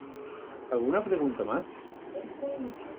¿Alguna pregunta más?